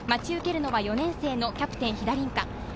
待ち受けるの４年生のキャプテン・飛田凜香。